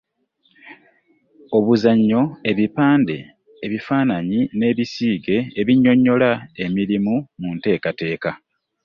Obuzannyo, ebipande, ebifaananyi n’ebisiige ebinnyonnyola emirimu mu nteekateeka.